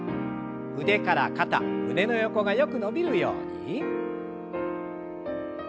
腕から肩胸の横がよく伸びるように。